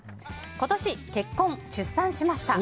今年、結婚・出産しました。